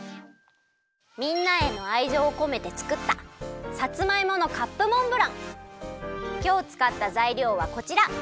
みんなへのあいじょうをこめてつくったきょうつかったざいりょうはこちら。